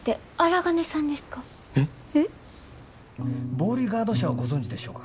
ボーリガード社をご存じでしょうか？